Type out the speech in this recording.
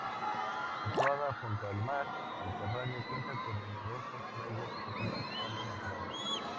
Situada junto al mar Mediterráneo cuenta con numerosas playas y pequeñas calas naturales.